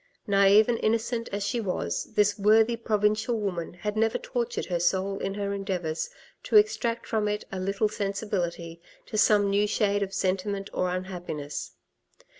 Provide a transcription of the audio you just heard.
Naive and innocent as she was, this worthy provincial woman had never tortured her soul in her endeavours to extract from it a little sensibility to some new shade of sentiment or unhappiness.